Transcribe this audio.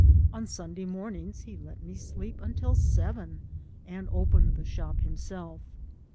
On Sunday mornings he let me sleep until seven and opened the shop himself.